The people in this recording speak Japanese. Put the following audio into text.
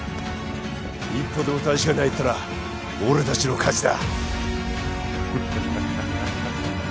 一歩でも大使館に入ったら俺達の勝ちだ